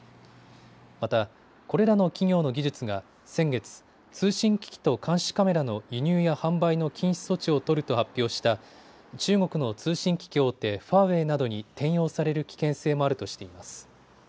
また、これらの企業の技術が先月、通信機器と監視カメラの輸入や販売の禁止措置を取ると発表した中国の通信機器大手、ファーウェイなどに転用される危険性もあるとしています。